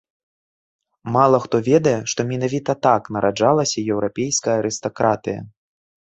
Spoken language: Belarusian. Мала хто ведае, што менавіта так нараджалася еўрапейская арыстакратыя.